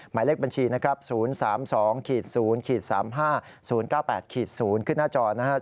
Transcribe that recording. หมายเลขบัญชีนะครับ๐๓๒๐๓๕๐๙๘๐ขึ้นหน้าจอนะครับ